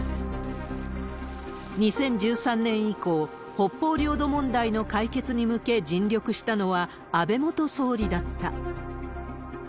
２０１３年以降、北方領土問題の解決に向け尽力したのは安倍元総理だった。